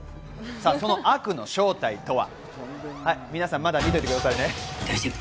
その悪の正体とは？